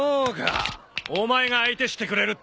お前が相手してくれるってんだな。